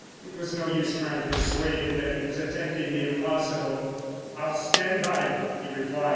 It was no use trying to persuade him that he was attempting the impossible. "I'll stand by you," he replied.